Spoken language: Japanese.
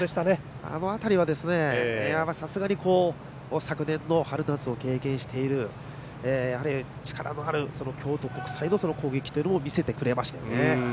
あの辺りは、さすがに昨年の春夏を経験している力のある京都国際の攻撃というのを見せてくれました。